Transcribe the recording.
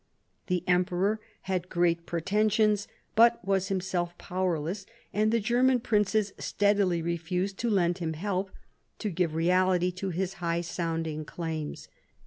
The emperor had great pretensions, but was himself powerless, and the German princes steadily refused to lend him help to give reality to his high sounding claims.